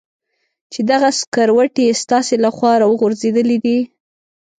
چې دغه سکروټې ستاسې له خوا را غورځېدلې دي.